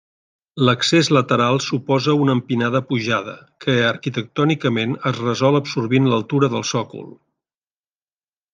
L'accés lateral suposa una empinada pujada, que arquitectònicament es resol absorbint l'altura del sòcol.